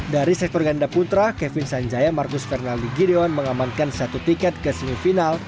dari sektor ganda putra kevin sanjaya marcus fernaldi gideon mengamankan satu tiket ke semifinal